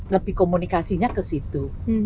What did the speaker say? lebih komunikasinya ke situ